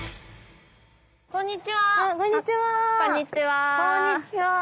こんにちは。